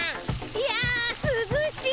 いやすずしい！